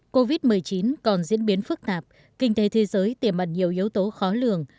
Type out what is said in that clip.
covid một mươi chín còn diễn biến phức tạp kinh tế thế giới tiềm mặt nhiều yếu tố khó lường